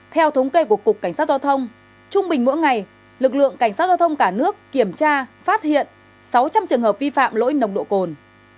theo thống kê của cục cảnh sát giao thông trung bình mỗi ngày lực lượng cảnh sát giao thông cả nước kiểm tra phát hiện sáu trăm linh trường hợp vi phạm lỗi nồng độ cồn